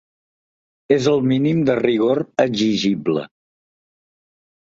És el mínim de rigor exigible.